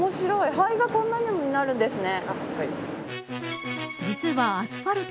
灰がこんなのになるんですね。